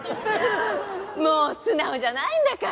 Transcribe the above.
もう素直じゃないんだから！